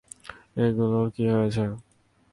ওগুলোর কী হয়েছে?